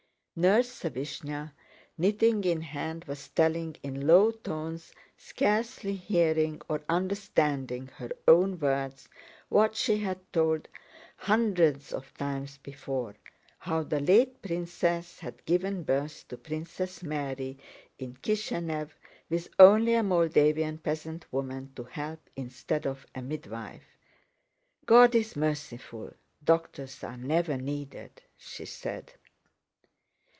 Nurse Sávishna, knitting in hand, was telling in low tones, scarcely hearing or understanding her own words, what she had told hundreds of times before: how the late princess had given birth to Princess Mary in Kishenëv with only a Moldavian peasant woman to help instead of a midwife. "God is merciful, doctors are never needed," she said.